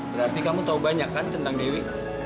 berarti kamu tahu banyakkan tentang dewi